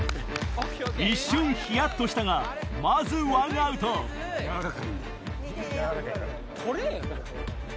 一瞬ヒヤっとしたがまずワンアウト柔らかいから。捕れよ！